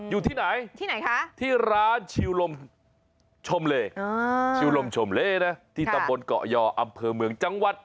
อยู่ที่ไหนที่ร้านชิวลมชมเล่ที่ตำบลเกาะยออำเภอเมืองจังหวัด